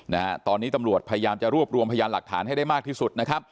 นะฮะตอนนี้ตำรวจพยายามจะรวบรวมพยานหลักฐานให้ได้มากที่สุดนะครับ